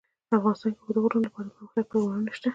افغانستان کې د اوږده غرونه لپاره دپرمختیا پروګرامونه شته.